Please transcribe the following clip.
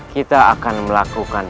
kita akan melakukan